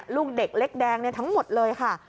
ลูกเด็กเล็กแดงทั้งหมดเลยค่ะ